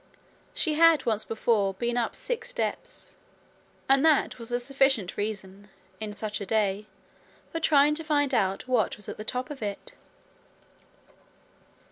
She had once before been up six steps, and that was sufficient reason, in such a day, for trying to find out what was at the top of it.